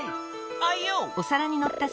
あいよ！